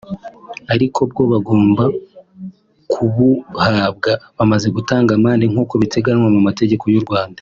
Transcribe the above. ariko bwo bagomba kubuhabwa bamaze gutanga amande nk’uko biteganywa mu mategeko y’u Rwanda